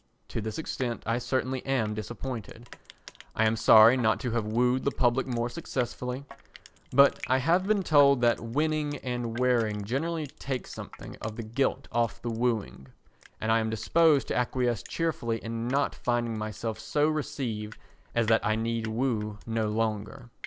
To this extent I certainly am disappointed. I am sorry not to have wooed the public more successfully. But I have been told that winning and wearing generally take something of the gilt off the wooing, and I am disposed to acquiesce cheerfully in not finding myself so received as that I need woo no longer.